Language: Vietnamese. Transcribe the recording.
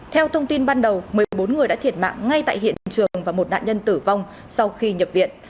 theo thông tin ban đầu một mươi bốn người đã thiệt mạng ngay tại hiện trường và một nạn nhân tử vong sau khi nhập viện